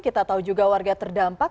kita tahu juga warga terdampak